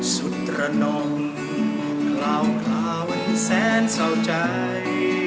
สุธรนมเขลาคลาวันแสนเศร้าใจ